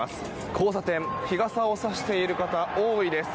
交差点、日傘を差している方多いです。